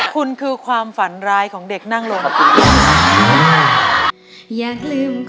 คุณคือความฝันร้ายของเด็กนั่งลงกับคุณ